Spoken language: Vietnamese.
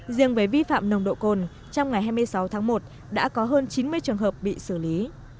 riêng với vi phạm nồng độ cồn trong ngày hai mươi sáu tháng một đã có hơn chín mươi trường hợp bị xử lý